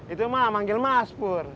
itu rumah manggil mas pur